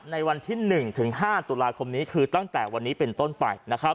ในวันที่๑ถึง๕ตุลาคมนี้คือตั้งแต่วันนี้เป็นต้นไป